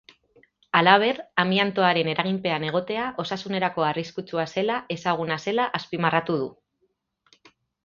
Halaber, amiantoaren eraginpean egotea osasunerako arriskutsua zela ezaguna zela azpimarratu du.